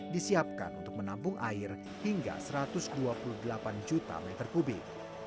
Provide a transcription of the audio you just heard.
disiapkan untuk menampung air hingga satu ratus dua puluh delapan juta meter kubik